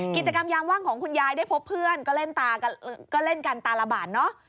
กิจกรรมยามว่างของคุณยายได้พบเพื่อนก็เล่นตาก็เล่นกันตาระบาดเนอะ